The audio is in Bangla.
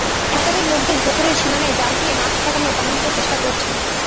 হ্যাচারির লোকজন পুকুরের সীমানায় জাল দিয়ে মাছ ঠেকানোর প্রাণান্ত চেষ্টা করছেন।